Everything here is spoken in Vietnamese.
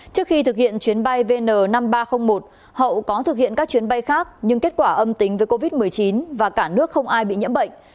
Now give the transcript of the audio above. trước khi thực hiện chuyến bay vn năm nghìn ba trăm linh một hậu có thực hiện các chuyến bay khác nhưng kết quả âm tính với covid một mươi chín và cả nước không ai bị nhiễm bệnh